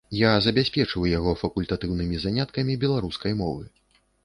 І забяспечыў яго факультатыўнымі заняткамі беларускай мовы.